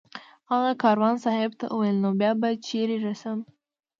هغه کاروان صاحب ته وویل نو بیا به چېرې رسم